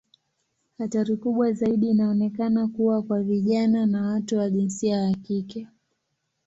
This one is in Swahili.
Hatari kubwa zaidi inaonekana kuwa kwa vijana na watu wa jinsia ya kike.